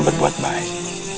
dan berbuat baik